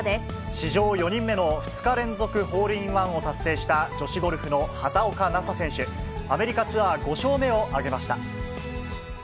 史上４人目の２日連続ホールインワンを達成した女子ゴルフの畑岡奈紗選手、アメリカツアー５勝目を挙げました。